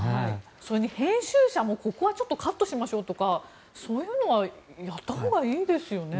それに編集者もここはカットしましょうとかそういうのはやったほうがいいですよね。